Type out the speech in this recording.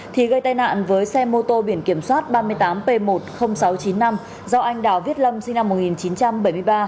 thì gây tai nạn với xe mô tô biển kiểm soát ba mươi tám p một mươi nghìn sáu trăm chín mươi năm do anh đào viết lâm sinh năm một nghìn chín trăm bảy mươi ba